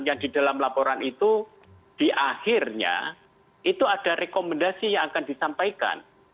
yang di dalam laporan itu di akhirnya itu ada rekomendasi yang akan disampaikan